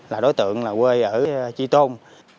là đối tượng quê ở tri tôn